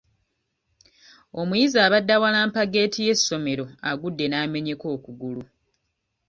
Omuyizi abadde awalampa geeti y'essomero agudde n'amenyeka okugulu.